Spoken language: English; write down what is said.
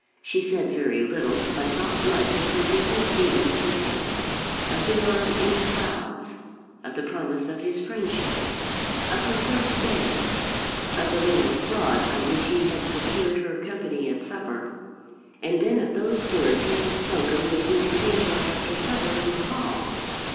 She said very little, but thought much of her different meetings with him, of the arm in the clouds, of the promise of his friendship, of her first dance, of the little fraud by which he had secured her company at supper, and then of those words he had spoken when he detained her after supper in the hall.